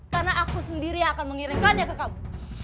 karena aku sendiri akan mengirimkannya ke kamu